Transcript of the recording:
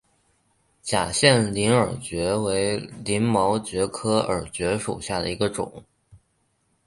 假线鳞耳蕨为鳞毛蕨科耳蕨属下的一个种。